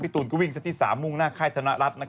ตูนก็วิ่งเซตที่๓มุ่งหน้าค่ายธนรัฐ